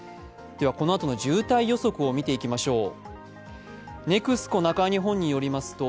このあとの渋滞予測を見ていきましょう。